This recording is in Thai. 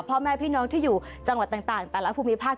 พ่อแม่พี่น้องที่อยู่จังหวัดต่างแต่ละภูมิภาค